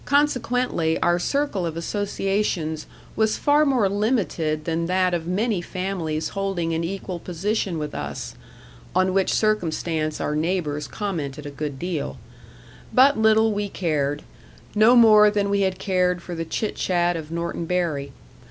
Consequently, our circle of associations was far more limited than that of many families holding an equal position with us on which circumstance our neighbours commented a good deal. But little we cared; no more than we had cared for the chit chat of Norton Bury.